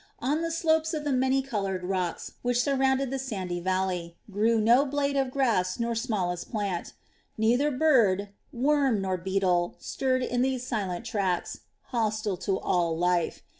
On the slopes of the many colored rocks, which surrounded the sandy valley, grew no blade of grass nor smallest plant. Neither bird, worm, nor beetle stirred in these silent tracts, hostile to all life.